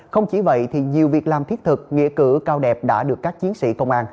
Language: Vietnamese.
không chỉ vậy nhiều việc làm thiết thực nghịa cử cao đẹp đã được các chiến sĩ công an